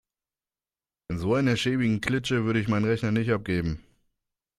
In so einer schäbigen Klitsche würde ich meinen Rechner nicht abgeben.